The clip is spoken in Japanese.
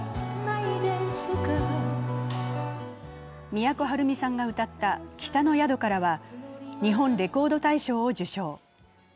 都はるみさんが歌った「北の宿から」は日本レコード大賞を受賞。